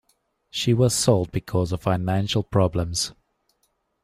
She was sold because of financial problems.